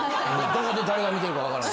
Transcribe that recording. どこで誰が見てるか分からん。